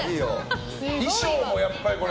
衣装もやっぱりこれ。